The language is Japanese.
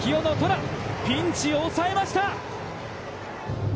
楽ピンチを抑えました！